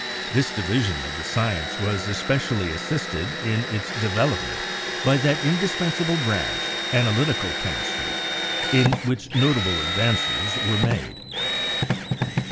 This division of the science was especially assisted in its development by that indis pensable branch, analytical chemistry, in which notable advances were made.